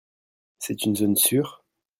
C'est une zone sûre ?